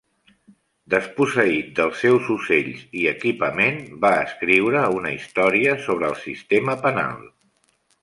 Desposseït dels seus ocells i equipament, va escriure una història sobre el sistema penal.